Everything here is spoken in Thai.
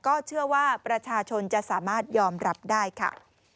ก็เชื่อว่าประชาชนจะสามารถยอมรับได้ค่ะ